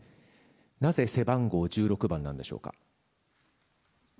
なぜ背番号１６番なんでしょうか？